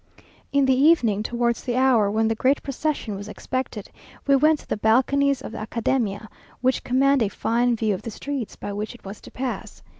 In the evening, towards the hour when the great procession was expected, we went to the balconies of the Academia, which command a fine view of the streets by which it was to pass.